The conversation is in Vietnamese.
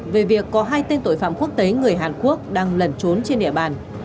về việc có hai tên tội phạm quốc tế người hàn quốc đang lẩn trốn trên địa bàn